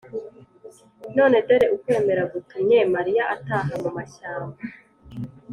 none dore ukwemera gutumye mariya, ataha mumashyamba